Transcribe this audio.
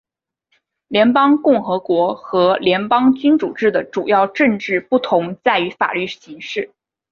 联邦共和国和联邦君主制的主要政治不同在于法律形式。